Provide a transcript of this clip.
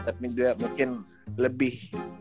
tapi dia mungkin lebih